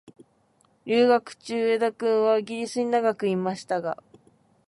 留学中、上田君はイギリスに長くいましたが、